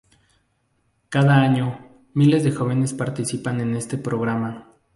Cada año, miles de jóvenes participan en este programa.